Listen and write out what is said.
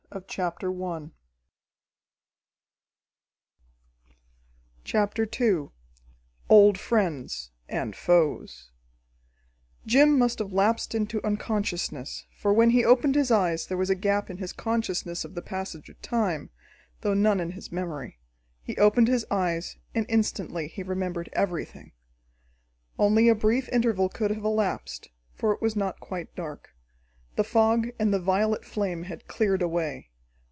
CHAPTER II Old Friends and Foes Jim must have lapsed into unconsciousness, for when he opened his eyes there was a gap in his consciousness of the passage of time, though none in his memory. He opened his eyes, and instantly he remembered everything. Only a brief interval could have elapsed, for it was not quite dark. The fog and the violet flame had cleared away.